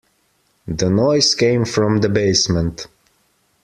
The noise came from the basement.